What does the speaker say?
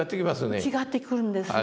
大いに違ってくるんですね。